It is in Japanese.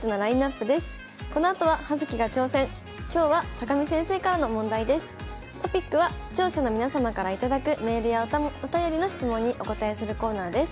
トピックは視聴者の皆様から頂くメールやお便りの質問にお答えするコーナーです。